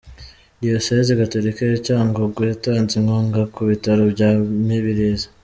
Diyosezi Gatolika ya Cyangugu yatanze inkunga ku Bitaro bya Mibirizi